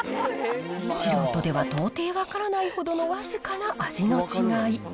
素人では到底分からないほどの僅かな味の違い。